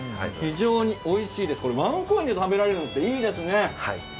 非常においしいですワンコインで食べられるのっていいですね。